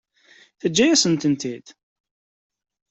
Teǧǧa-yasent-ten-id?